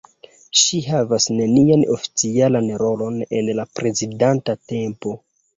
Ŝi havas nenian oficialan rolon en la prezidenta tempo.